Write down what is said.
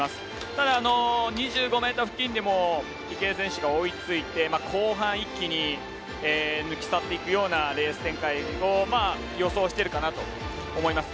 ただ、２５ｍ付近で池江選手が追いついて後半一気に抜き去っていくようなレース展開を予想しているかなと思います。